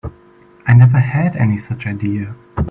I never had any such idea.